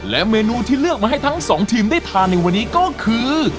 และเมนูที่เลือกมาให้ทั้งสองทีมได้ทานในวันนี้ก็คือ